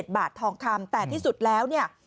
บาททองคำแต่ที่สุดแล้วเนี่ย